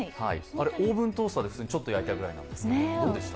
オーブントースターでちょっと焼いたぐらいなんですけど、どうでした？